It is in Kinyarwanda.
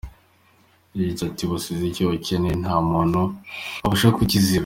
Yagize ati “Wasize icyuho kinini, nta muntu Wabasha kukiziba.